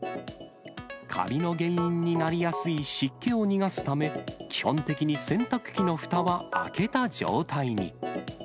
カビの原因になりやすい湿気を逃がすため、基本的に洗濯機のふたは開けた状態に。